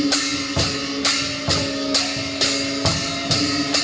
สวัสดีสวัสดี